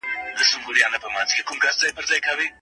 د دیني پوهنو پلټني د ټولني په روحي روزنه کي اغېزمنې دي.